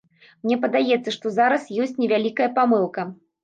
Мне падаецца, што зараз ёсць невялікая памылка.